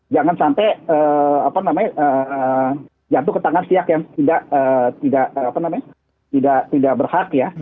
jangan sampai jatuh ke tangan pihak yang tidak berhak ya